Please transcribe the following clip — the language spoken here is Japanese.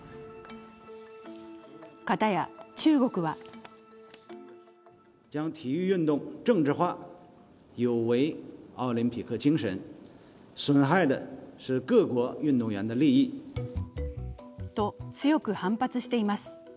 片や、中国はと、強く反発しています。